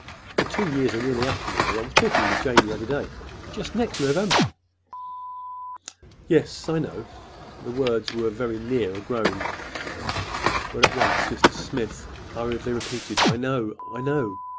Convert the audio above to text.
"The two years are nearly up, you know,—I was talking with Jane the other day—just next November." "Yes, I know." The words were very near a groan, but at once Mr. Smith hurriedly repeated, "I know—I know!"